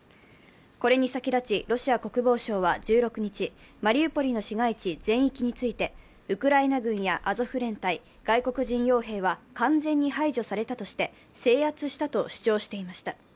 これに先立ち、ロシア国防省は１６日マリウポリの市街地全域について、ウクライナ軍やアゾフ連隊、外国人よう兵は完全に排除されたとして制圧したと主張していました。